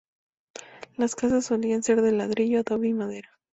Las casas solían ser de ladrillo, adobe y madera.